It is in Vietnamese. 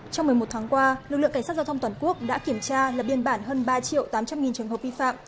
trong một mươi một tháng qua lực lượng cảnh sát giao thông toàn quốc đã kiểm tra lập biên bản hơn ba triệu tám trăm linh trường hợp vi phạm